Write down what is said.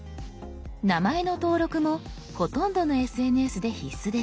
名前の登録もほとんどのＳＮＳで必須です。